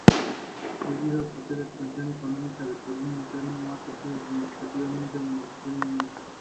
No obstante, no era obligatorio.